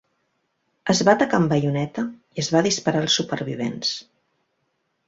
Es va atacar amb baioneta i es va disparar als supervivents.